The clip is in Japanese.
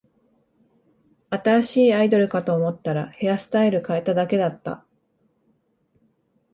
新しいアイドルかと思ったら、ヘアスタイル変えただけだった